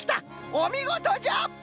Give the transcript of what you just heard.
おみごとじゃ！